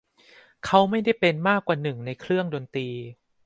เขาไม่ได้เป็นมากกว่าหนึ่งในเครื่องดนตรี